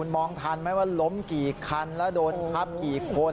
มองทันไหมว่าล้มกี่คันแล้วโดนทับกี่คน